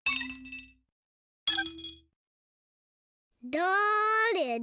だれだ？